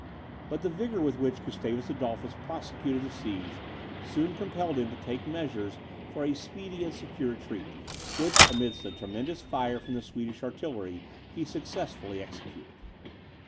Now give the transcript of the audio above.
But the vigour with which Gustavus Adolphus prosecuted the siege, soon compelled him to take measures for a speedy and secure retreat, which amidst a tremendous fire from the Swedish artillery he successfully executed.